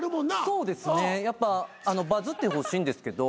そうですねやっぱバズってほしいんですけど。